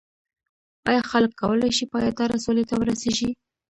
ایا خلک کولای شي پایداره سولې ته ورسیږي؟